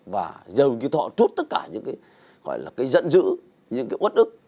và dầu như họ trút tất cả những cái gọi là cái giận dữ những cái quất ức